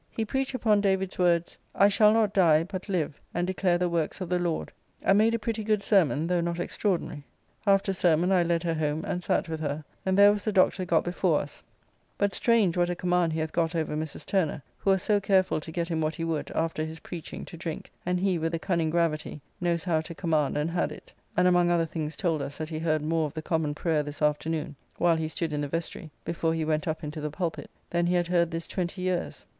He preached upon David's words, "I shall not die, but live, and declare the works of the Lord," and made a pretty good sermon, though not extraordinary. After sermon I led her home, and sat with her, and there was the Dr. got before us; but strange what a command he hath got over Mrs. Turner, who was so carefull to get him what he would, after his preaching, to drink, and he, with a cunning gravity, knows how to command, and had it, and among other things told us that he heard more of the Common Prayer this afternoon (while he stood in the vestry, before he went up into the pulpitt) than he had heard this twenty years.